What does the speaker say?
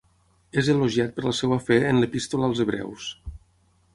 És elogiat per la seva fe en l'Epístola als hebreus.